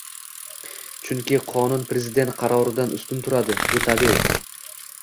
Chunki qonun Prezident qaroridan ustun turadi, bu tabiiy.